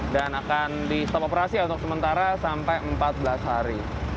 dan akan di stop operasi untuk sementara sampai empat belas hari